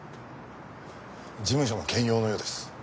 事務所も兼用のようです。